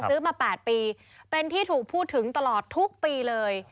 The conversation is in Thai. ซื้อมา๘ปีเป็นที่ถูกพูดถึงตลอดทุกปีเลย